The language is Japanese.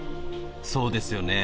そうですよね。